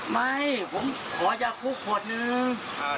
ไม่ผมขอยาคูขวดหนึ่ง